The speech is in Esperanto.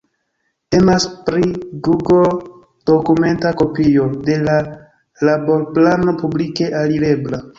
Temas pri google-dokumenta kopio de la laborplano publike alirebla.